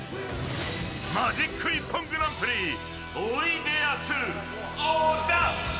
マジック一本グランプリおいでやす小田。